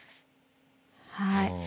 はい。